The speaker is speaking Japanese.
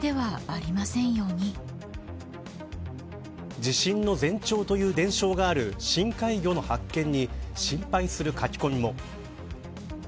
地震の前兆という伝承がある深海魚の発見に心配する書き込みも。